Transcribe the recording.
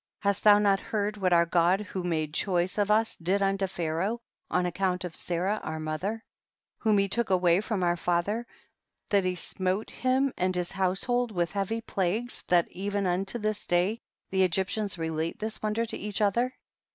7. Hast thou not heard what our God who made choice of us did unto Pharaoh on account of Sarah our mother, whom he took away from our father, that he smote him and his household with heavy plagues, that even unto this day the Egyp tians relate this wonder to each other